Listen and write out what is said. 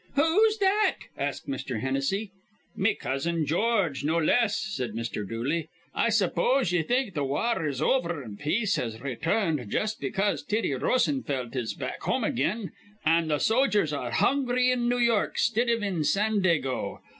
"Who's that?" asked Mr. Hennessy. "Me Cousin George, no less," said Mr. Dooley. "I suppose ye think th' war is over an' peace has rayturned jus' because Tiddy Rosenfelt is back home again an' th' sojers ar re hungry in New York 'stead iv in Sandago.